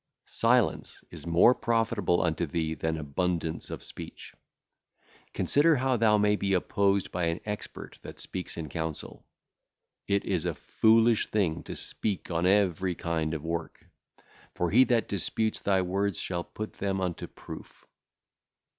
Silence is more profitable unto thee than abundance of speech. Consider how thou may be opposed by an expert that speaketh in council. It is a foolish thing to speak on every kind of work, for he that disputeth thy words shall put them unto proof.